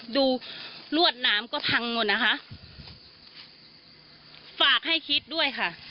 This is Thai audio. ดูรวดน้ำก็พังหมดนะคะฝากให้คิดด้วยค่ะ